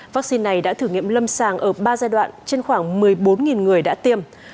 vaccine này đã thử nghiệm lâm sàng ở ba giai đoạn trên khoảng một mươi bốn người đã tiêm